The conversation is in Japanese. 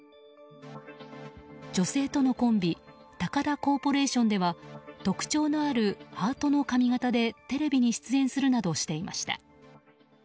女性とのコンビタカダ・コーポレーションでは特徴のあるハートの髪形でテレビに出演するなどしていました。